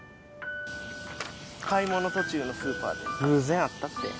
買い物途中のスーパーで偶然会ったって？